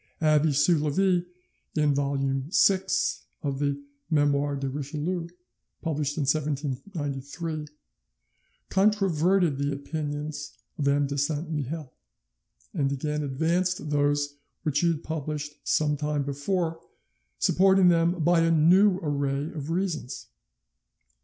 Abbe Soulavie, in vol. vi. of the 'Memoires de Richelieu', published in 1793, controverted the opinions of M. de Saint Mihiel, and again advanced those which he had published some time before, supporting them by a new array of reasons.